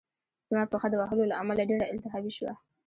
زما پښه د وهلو له امله ډېره التهابي شوه